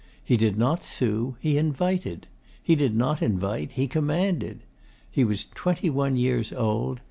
He did not sue: he invited; he did not invite: he commanded. He was twenty one years old.